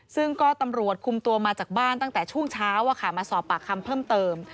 ซึ่งก็ตำรวจคุมตัวมาจากบ้านตั้งแต่ช่วงเช้ามาสอบปากคำเพิ่มเติม